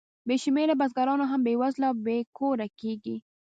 بې شمېره بزګران هم بېوزله او بې کوره کېږي